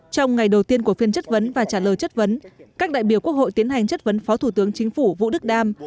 trong ngày đầu tiên của phiên chất vấn và trả lời chất vấn các đại biểu quốc hội tiến hành chất vấn phó thủ tướng chính phủ vũ đức đam